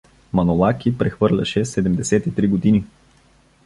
Манолаки прехвърляше седемдесет и три години.